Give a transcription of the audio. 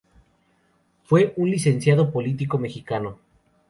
Fue un licenciado y político mexicano.